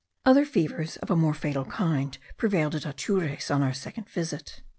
Other fevers of a more fatal kind prevailed at Atures on our second visit.